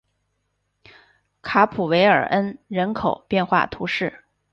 卡普韦尔恩人口变化图示